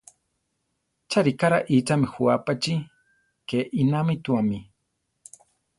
Cha ríka raíchami jú apachí, ke inámituami.